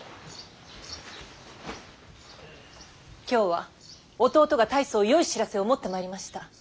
今日は弟が大層よい知らせを持ってまいりました。